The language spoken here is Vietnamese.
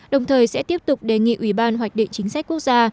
đồng thời sẽ tiếp tục đề nghị ủy ban hoạch định chính sách quốc gia